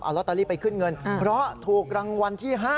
เอาลอตเตอรี่ไปขึ้นเงินเพราะถูกรางวัลที่๕